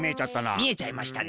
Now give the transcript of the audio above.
みえちゃいましたね。